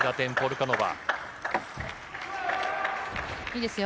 いいですよ